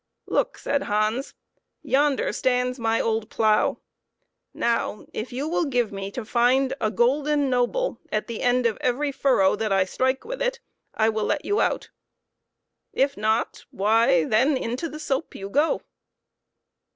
" Look," said Hans ;" yonder stands my old plough. Now, if you will give me to find a golden noble at the end of every furrow that I strike with it I will let you out. If not why, then, into the soap you go."